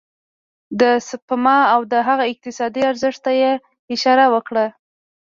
د سپما او د هغه اقتصادي ارزښت ته يې اشاره وکړه.